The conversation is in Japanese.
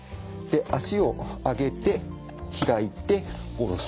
足を上げて開いて下ろす。